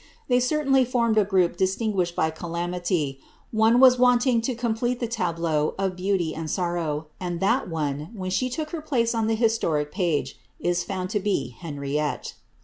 * They certainly formed a group distinguished by calamity— one was wanting to complete that tableau of beauty and sorrow ; and that one, when she took her place on the historic page, is found to be Plenriette.